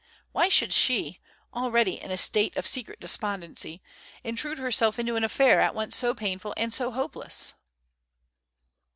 Why should she, already in a state of secret despondency, intrude herself into an affair at once so painful and so hopeless?